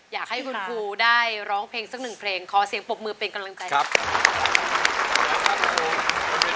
อยากให้คุณครูได้ร้องเพลงสักหนึ่งเพลง